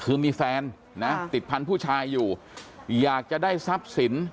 คือมีแฟนนะติดพันธุ์ผู้ชายอยู่อยากจะได้ทรัพย์สิน